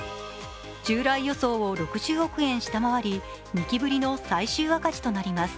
従来予想を６０億円下回り、２期ぶりの最終赤字となります。